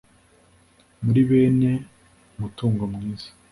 muri bene umutungo mwiza